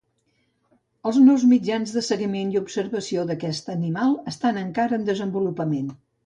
Els nous mitjans de seguiment i observació d'aquest animal estan encara en desenvolupament.